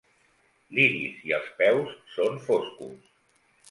L'iris i els peus són foscos.